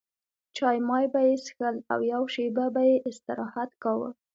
چای مای به یې څښل او یوه شېبه به یې استراحت کاوه.